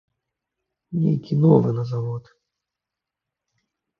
Нейкі новы на завод.